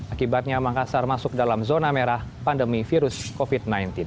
akibatnya makassar masuk dalam zona merah pandemi virus covid sembilan belas